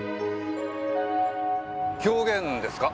狂言ですか？